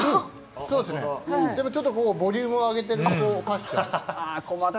そうですね、でもちょっとここ、ボリュームを上げてる。